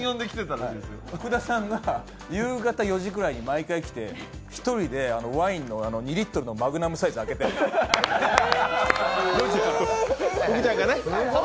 福田さんが夕方４時くらいに毎回来て、１人でワインの２リットルのマグナムサイズ開けて、４時から。